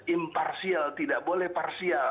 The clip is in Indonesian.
imparsial tidak boleh parsial